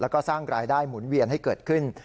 แล้วก็สร้างรายได้หมุนเวียนให้เกิดขึ้น